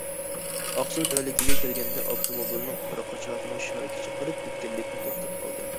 ئاقسۇ تەۋەلىكىگە كەلگەندە، ئاپتوموبىلنىڭ ئارقا چاقىنىڭ شارىكى چېقىلىپ كەتكەنلىكتىن توختاپ قالدى.